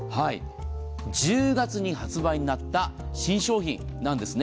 １０月に発売になった新商品なんですね。